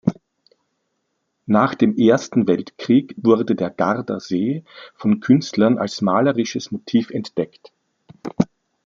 Nach dem Ersten Weltkrieg wurde der Garder See von Künstlern als malerisches Motiv entdeckt.